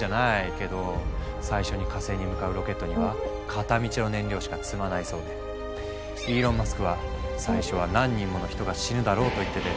けど最初に火星に向かうロケットには片道の燃料しか積まないそうでイーロン・マスクはと言ってて。